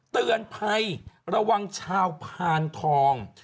เตือนภัยระวังชาวพานทอง